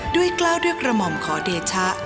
กล้าวด้วยกระหม่อมขอเดชะ